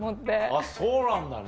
あっそうなんだね。